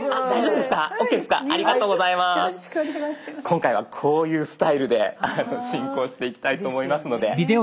今回はこういうスタイルで進行していきたいと思いますので。